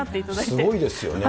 すごいですよね。